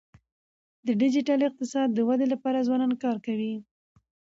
د ډیجیټل اقتصاد د ودی لپاره ځوانان کار کوي.